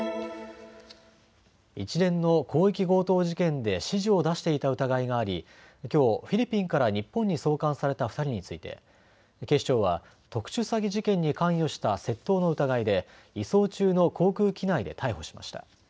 一連の広域強盗事件で指示を出していた疑いがあり、きょうフィリピンから日本に送還された２人について警視庁は特殊詐欺事件に関与した窃盗の疑いで移送中の航空機内で逮捕しました。